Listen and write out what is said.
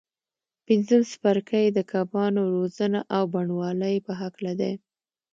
پنځم څپرکی د کبانو روزنه او بڼوالۍ په هکله دی.